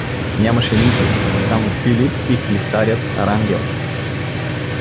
Нямаше никой — само Филип и клисарят Рангел.